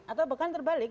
atau bukan terbalik